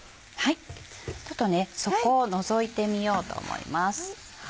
ちょっと底をのぞいてみようと思います。